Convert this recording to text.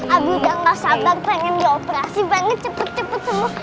abu udah gak sabar pengen di operasi banget cepet cepet semua